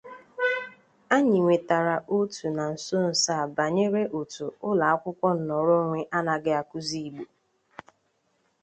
Anyị nwetara otu na nsonso a banyere otu ụlọakwụkwọ nnọrọonwe anaghị akụzi Igbo